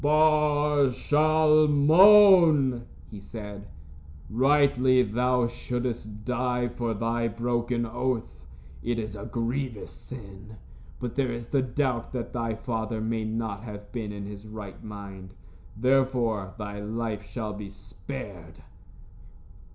"Bar Shalmon," he said, "rightly thou shouldst die for thy broken oath. It is a grievous sin. But there is the doubt that thy father may not have been in his right mind. Therefore, thy life shall be spared."